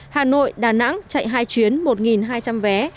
hà nội đà nẵng chạy hai chuyến một hai trăm linh vé